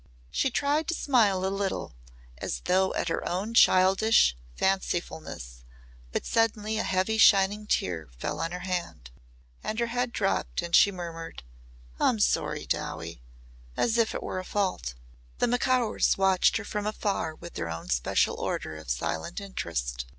She tried to smile a little as though at her own childish fancifulness but suddenly a heavy shining tear fell on her hand. And her head dropped and she murmured, "I'm sorry, Dowie," as if it were a fault. The Macaurs watched her from afar with their own special order of silent interest.